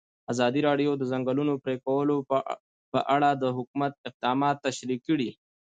ازادي راډیو د د ځنګلونو پرېکول په اړه د حکومت اقدامات تشریح کړي.